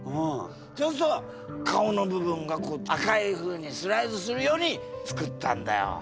そうすると顔の部分がこう赤いふうにスライドするようにつくったんだよ。